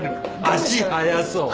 足速そう。